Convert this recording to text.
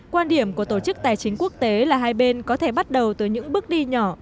quan điểm của tổ chức tài chính quốc tế là hai bên có thể bắt đầu từ những bước đi nhỏ